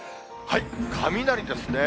雷ですね。